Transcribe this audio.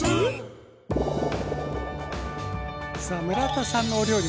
さあ村田さんのお料理